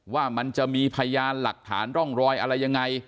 ว่ามันจะมีพยานหลักฐานร่องรอยอะไรยังไง